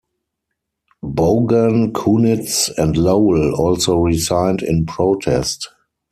Bogan, Kunitz, and Lowell also resigned in protest.